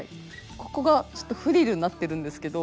ここがちょっとフリルになってるんですけど。